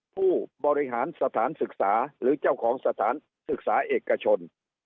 ผู้บริหารสถานศึกษาหรือเจ้าของสถานศึกษาเอกชน